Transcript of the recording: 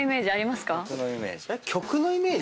曲のイメージ